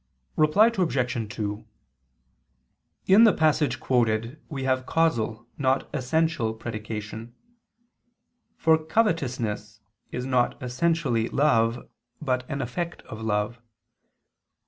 Reply Obj. 2: In the passage quoted we have causal, not essential predication: for covetousness is not essentially love, but an effect of love.